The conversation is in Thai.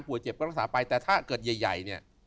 เจ็บก็รักษาไปแต่ถ้าเกิดใหญ่เนี่ย